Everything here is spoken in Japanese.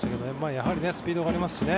やはりスピードがありますしね。